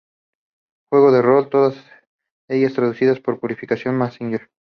Juego de rol", todas ellas traducidas por Purificación Meseguer.